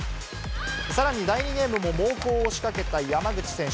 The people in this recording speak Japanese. さらに第２ゲームも、猛攻を仕掛けた山口選手。